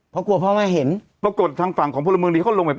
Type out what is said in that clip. เพราะกลัวพ่อแม่เห็นปรากฏทางฝั่งของพลเมืองดีเขาลงไป